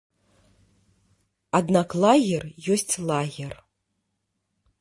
Аднак лагер ёсць лагер.